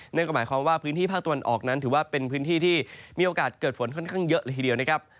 นั่นก็หมายความว่าพื้นที่ภาคตะวันออกนั้นถือว่าเป็นพื้นที่ที่มีโอกาสเกิดฝนค่อนข้างเยอะเลยทีเดียวนะครับ